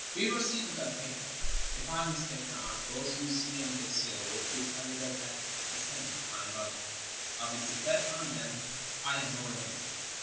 We were seated at table: if I mistake not, both Ussi and Biseo took a Httle at the same time, but of its effect on them I have no recollec tion.